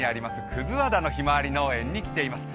葛和田のひまわり農園に来ています。